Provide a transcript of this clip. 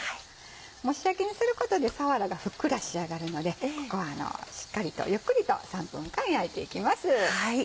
蒸し焼きにすることでさわらがふっくら仕上がるのでここはしっかりとゆっくりと３分間焼いていきます。